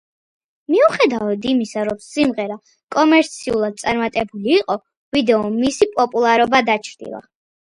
მიუხედავად იმისა, რომ სიმღერაც კომერციულად წარმატებული იყო, ვიდეო მისი პოპულარობა დაჩრდილა.